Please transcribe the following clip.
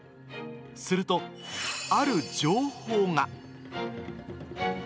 すると、ある情報が。